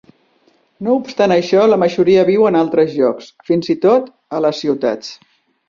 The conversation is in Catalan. No obstant això, la majoria viu en altres llocs, fins i tot a les ciutats.